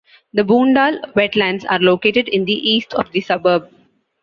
The Boondall Wetlands are located in the east of the suburb.